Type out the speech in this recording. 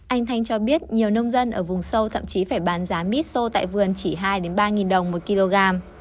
anh thanh cho biết nhiều nông dân ở vùng sâu thậm chí phải bán giá mít sâu tại vườn chỉ hai ba đồng mỗi kg